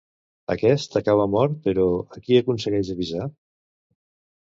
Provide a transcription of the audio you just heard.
Aquest acaba mort, però a qui aconsegueix avisar?